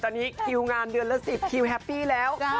ตอนนี้คิวงานเดือนละ๑๐คิวแฮปปี้แล้ว